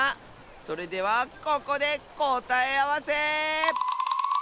それではここでこたえあわせ！